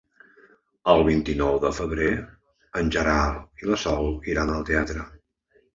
El vint-i-nou de febrer en Gerard i na Sol iran al teatre.